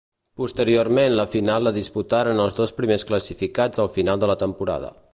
Posteriorment la final la disputaren els dos primers classificats al final de la temporada.